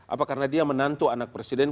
apa karena dia menantu anak presiden